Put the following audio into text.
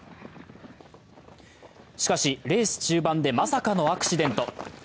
しかし、レース中盤でまさかのアクシデント。